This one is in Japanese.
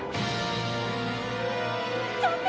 そんな！